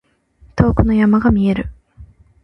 遠くの山が見える。